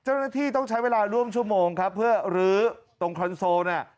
เจ้าหน้าที่ต้องใช้เวลาร่วมชั่วโมงครับเพื่อลื้อตรงคอนโซลน่ะ